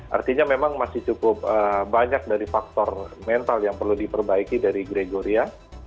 artinya memang masih cukup banyak dari faktor mental yang perlu diperbaiki dari gregoria